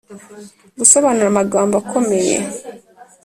-gusobanura amagambo akomeye;